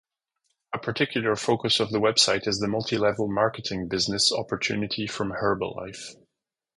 A particular focus of the website is the multi-level marketing business opportunity from Herbalife.